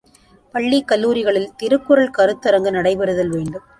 பள்ளி, கல்லூரிகளில் திருக்குறள் கருத்தரங்கு நடைபெறுதல் வேண்டும்.